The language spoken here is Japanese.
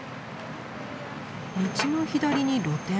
道の左に露店。